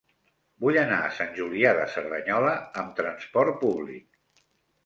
Vull anar a Sant Julià de Cerdanyola amb trasport públic.